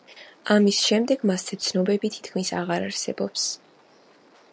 ამის შემდეგ მასზე ცნობები თითქმის აღარ არსებობს.